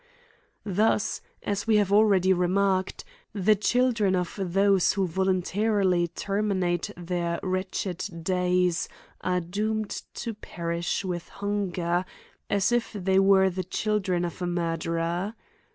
Thus, as we already have remarked, the children of those who volunta rily terminate their wretched days are doomed to perish with hunger, as if they were the chil dren of a murderer.